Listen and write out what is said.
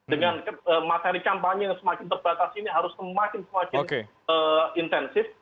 dengan materi kampanye yang semakin terbatas ini harus semakin semakin intensif